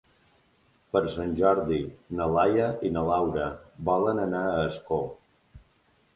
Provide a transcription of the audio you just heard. Per Sant Jordi na Laia i na Laura volen anar a Ascó.